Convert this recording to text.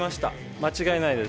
間違いないです。